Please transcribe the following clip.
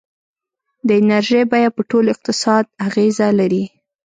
د انرژۍ بیه په ټول اقتصاد اغېزه لري.